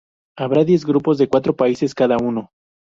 Habrá diez grupos de cuatro países cada uno.